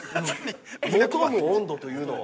求む温度というのは？